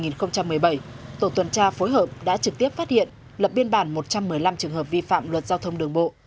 trong tháng một mươi một năm hai nghìn một mươi bảy tổ tuyển tra phối hợp đã trực tiếp phát hiện lập biên bản một trăm một mươi năm trường hợp vi phạm luật giao thông đường bộ